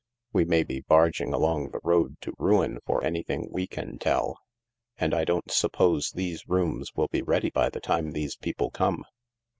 We may be barging along the road to ruin for anything we can tell. And I don't suppose these rooms will be ready by the time these people come.